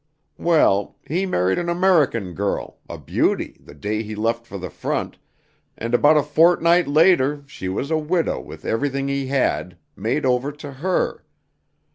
Well, he married an American girl, a beauty, the day he left for the front, and about a fortnight later she was a widow with everything he had, made over to her.